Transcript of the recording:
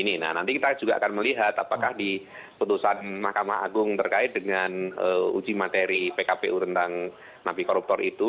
nah nanti kita juga akan melihat apakah di putusan mahkamah agung terkait dengan uji materi pkpu tentang nabi koruptor itu